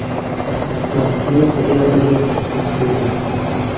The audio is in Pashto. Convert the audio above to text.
محصلینو په دې اړه ډېر تحقیق کړی دی.